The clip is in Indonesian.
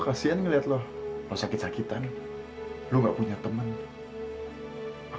karena gara gara kamu aku jadi sedih